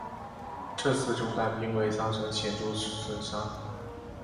这次中弹并未造成显着损伤。